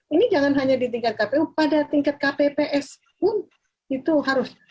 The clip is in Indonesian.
ini jangan hanya di tingkat kpu pada tingkat kpps pun itu harus